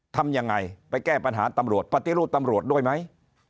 ทำยังไงไปแก้ปัญหาตำรวจปฏิรูปตำรวจด้วยไหม